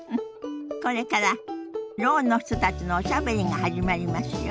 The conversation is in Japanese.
これからろうの人たちのおしゃべりが始まりますよ。